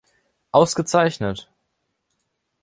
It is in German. Ausgezeichnet!